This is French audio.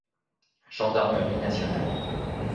Gendarmerie Nationale.